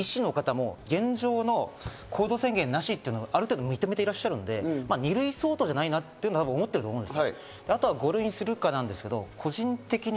他の２類のやばい感染症に比べて医師の方も現状の行動制限なしというのはある程度、認めていらっしゃるので、２類相当じゃないなと思ってると思うんです。